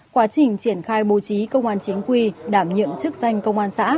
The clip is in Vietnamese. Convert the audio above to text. quá trình triển khai bố trí công an chính quy đảm nhiệm chức danh công an xã